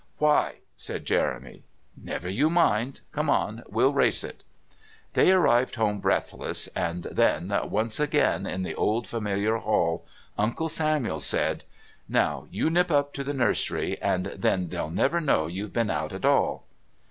"Why?" said Jeremy. "Never you mind. Come on; we'll race it." They arrived home breathless, and then, once again in the old familiar hall, Uncle Samuel said: "Now you nip up to the nursery, and then they'll never know you've been out at all."